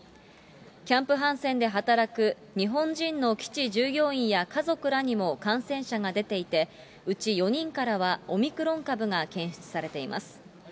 キャンプ・ハンセンで働く日本人の基地従業員や家族らにも感染者が出ていて、うち４人からはオミクロン株が検出されています。